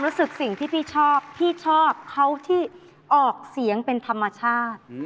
สิ่งที่พี่ชอบพี่ชอบเขาที่ออกเสียงเป็นธรรมชาติ